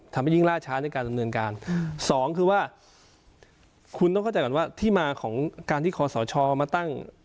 ทำให้ยิ่งล่าช้าในการดำเนินการสองคือว่าคุณต้องเข้าใจก่อนว่าที่มาของการที่คอสชมาตั้ง